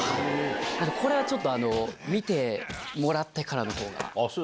これはちょっと見てもらってからのほうが。